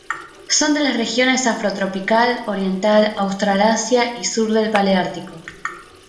Son de las regiones afrotropical, oriental, australasia y sur del Paleártico.